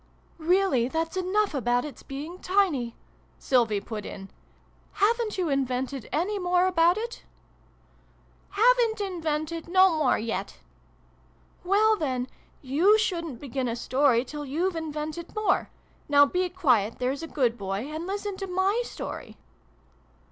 " Really that's enough about its being tiny !" Sylvie put in. " Haven't you invented any more about it ?"" Haven't invented no more yet." " Well then, you shouldn't begin a story till you've invented more ! Now be quiet, there's a good boy, and listen to my story."